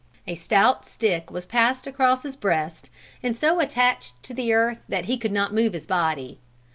A stout stick was passed across his breast, and so attached to the earth that he could not move his body.